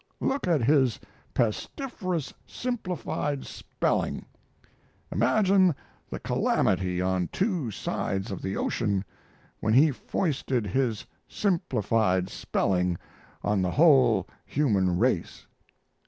Look at his pestiferous simplified spelling. Imagine the calamity on two sides of the ocean when he foisted his simplified spelling on the whole human race.